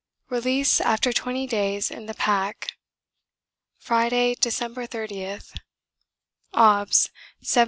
Release after Twenty Days in the Pack Friday, December 30. Obs.